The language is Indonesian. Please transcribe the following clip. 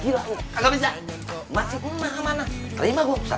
sebenarnya saya masih memegang anak anak saya